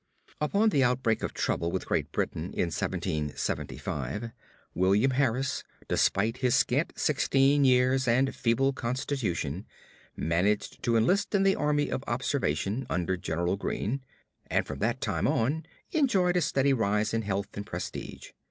Upon the outbreak of trouble with Great Britain in 1775, William Harris, despite his scant sixteen years and feeble constitution, managed to enlist in the Army of Observation under General Greene; and from that time on enjoyed a steady rise in health and prestige.